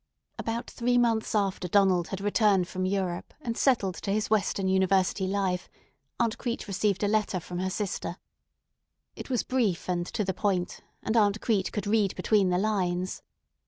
About three months after Donald had returned from Europe and settled to his Western university life Aunt Crete received a letter from her sister. It was brief and to the point, and Aunt Crete could read between the lines.